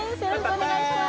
お願いします